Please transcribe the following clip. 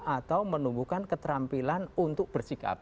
atau menumbuhkan keterampilan untuk bersikap